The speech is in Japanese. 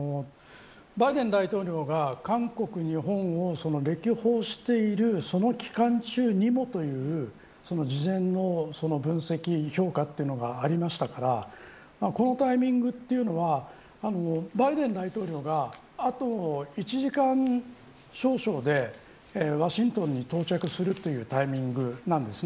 バイデン大統領が韓国、日本を歴訪しているその期間中にもという事前の分析、評価というのがありましたからこのタイミングというのはバイデン大統領があと１時間少々でワシントンに到着するというタイミングなんです。